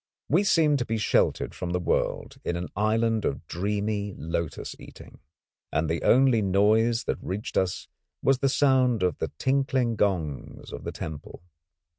We seemed to be sheltered from the world in an island of dreamy lotus eating; and the only noise that reached us was the sound of the tinkling gongs of the temple.